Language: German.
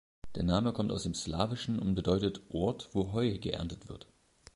Der Name kommt aus dem Slawischen und bedeutet "Ort, wo Heu geerntet wird".